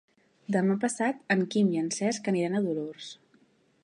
Demà passat en Quim i en Cesc aniran a Dolors.